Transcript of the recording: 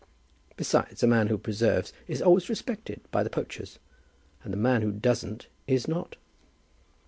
Besides, a man who preserves is always respected by the poachers, and the man who doesn't is not."